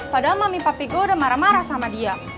padahal mami papi gue udah marah marah sama dia